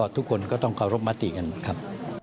ทุกคนก็ต้องรอมติกัน